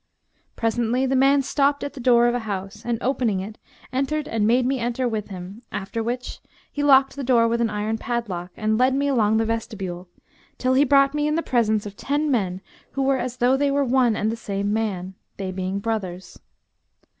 Presently the man stopped at the door of a house, and opening it entered and made me enter with him; after which he locked the door with an iron padlock,[FN#212] and led me along the vestibule, till he brought me in the presence of ten men who were as though they were one and the same man; they being brothers.